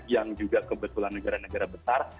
yang juga kebetulan negara negara besar